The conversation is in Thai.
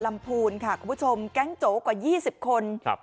พูนค่ะคุณผู้ชมแก๊งโจกว่ายี่สิบคนครับ